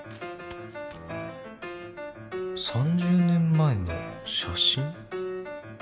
３０年前の写真。